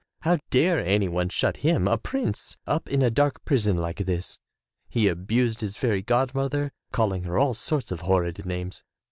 How dare any one shut him, a prince, up in a dark prison like this! He abused his fairy god mother, calling her all sorts of horrid names.